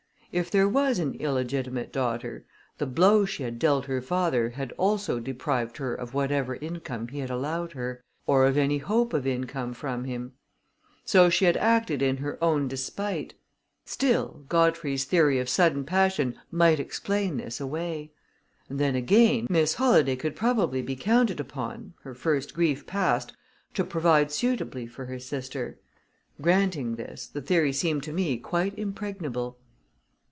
If there was an illegitimate daughter, the blow she had dealt her father had also deprived her of whatever income he had allowed her, or of any hope of income from him. So she had acted in her own despite still, Godfrey's theory of sudden passion might explain this away. And then, again, Miss Holladay could probably be counted upon, her first grief past, to provide suitably for her sister. Granting this, the theory seemed to me quite impregnable.